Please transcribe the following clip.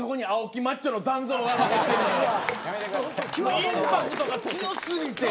インパクトが強すぎて。